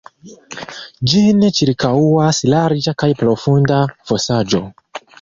Ĝin ĉirkaŭas larĝa kaj profunda fosaĵo.